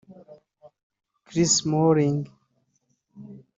Chris Smalling